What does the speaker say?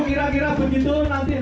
itu kira kira begitu nanti nanya